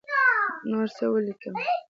نور څه ولیکم.